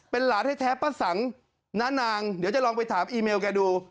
เป็นหลานให้แท้ป้าสั่งณนางหรือยังจะลองไปถามอีเมลแปลงดู